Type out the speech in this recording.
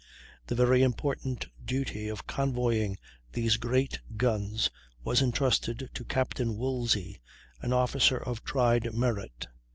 The very important duty of convoying these great guns was entrusted to Captain Woolsey, an officer of tried merit.